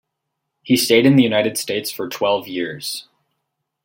He stayed in the United States for twelve years.